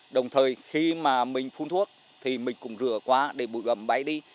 đồng thời khi mà mình phun thuốc thì mình cũng rửa qua để bụi ẩm bay đi